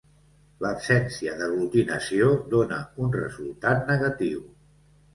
L'absència d'aglutinació dona un resultat negatiu.